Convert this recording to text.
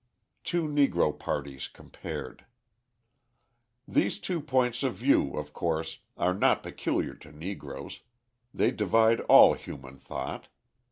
Two Negro Parties Compared These two points of view, of course, are not peculiar to Negroes; they divide all human thought.